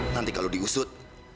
nanti kalau diusut